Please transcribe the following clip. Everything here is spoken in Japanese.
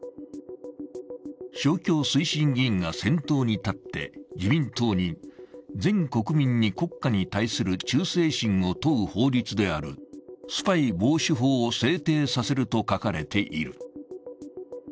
勝共推進議員が先頭に立って自民党に全国民に国家に対する忠誠心を問う法律であるスパイ防止法を制定させると書かれている。